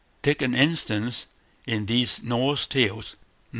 Take an instance: In these Norse Tales, No.